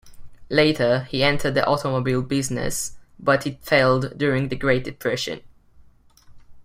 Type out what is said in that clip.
Later, he entered the automobile business, but it failed during the Great Depression.